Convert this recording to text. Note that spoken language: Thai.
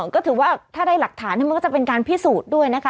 ก็ถือว่าถ้าได้หลักฐานมันก็จะเป็นการพิสูจน์ด้วยนะคะ